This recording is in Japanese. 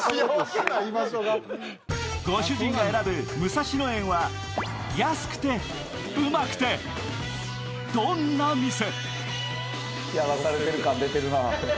ご主人が選ぶ武蔵野園は安くてウマくてどんな店？